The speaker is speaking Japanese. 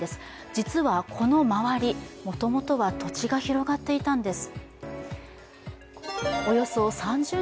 実は、この周り、もともとは土地が広がっていたんです。